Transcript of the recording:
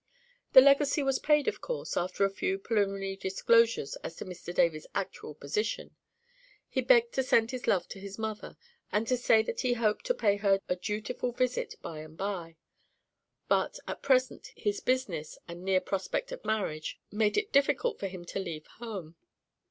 The legacy was paid, of course, after a few preliminary disclosures as to Mr. David's actual position. He begged to send his love to his mother, and to say that he hoped to pay her a dutiful visit by and by; but, at present, his business and near prospect of marriage made it difficult for him to leave home.